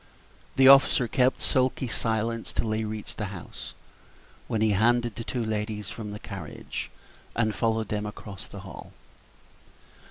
The officer kept sulky silence till they reached the house, when he handed the two ladies from the carriage, and followed them across the hall.